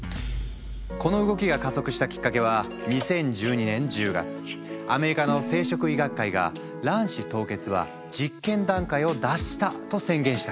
この動きが加速したきっかけは２０１２年１０月アメリカの生殖医学会が卵子凍結は実験段階を脱した！と宣言したから。